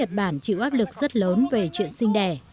tôi đã chịu áp lực rất lớn về chuyện sinh đẻ